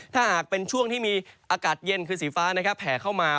ถ้าหากเป็นช่วงที่มีอากาศเย็นคือสีฟ้าแผ่เข้ามา